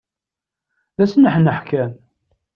D asneḥneḥ kan!